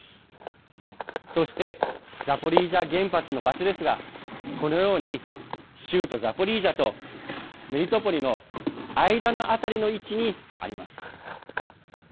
そしてザポリージャ原発の場所ですがこのように州都ザポリージャとメリトポリの間の辺りの位置にあります。